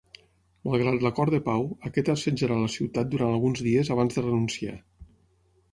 Malgrat l'acord de pau, aquest assetjarà la ciutat durant alguns dies abans de renunciar.